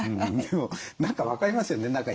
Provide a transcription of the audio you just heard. でも何か分かりますよね。